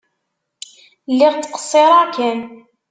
Lliɣ ttqeṣṣireɣ kan.